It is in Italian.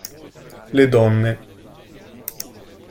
Le donne